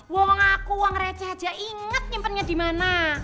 uang aku uang receh aja inget nyimpennya dimana